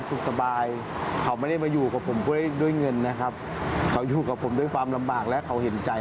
เราก็ในคำตอบเขา